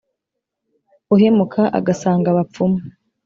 uhemuka agasanga abapfumu